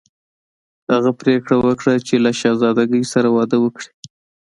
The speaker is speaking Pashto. هغه پریکړه وکړه چې له شهزادګۍ سره واده وکړي.